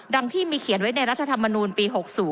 ที่มีเขียนไว้ในรัฐธรรมนูลปี๖๐